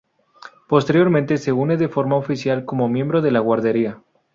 Posteriormente se une de forma oficial como miembro de la guardería.